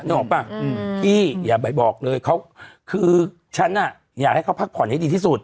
ออกป่ะพี่อย่าไปบอกเลยเขาคือฉันอ่ะอยากให้เขาพักผ่อนให้ดีที่สุด